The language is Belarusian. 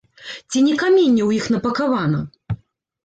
Ці не каменне ў іх напакавана?